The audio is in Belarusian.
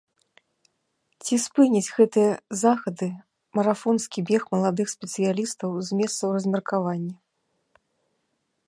Ці спыняць гэтыя захады марафонскі бег маладых спецыялістаў з месцаў размеркавання?